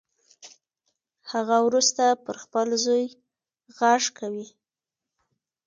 هغه وروسته پر خپل زوی غږ کوي